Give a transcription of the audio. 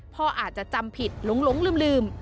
พ่ออาจจะจำผิดหลงลืม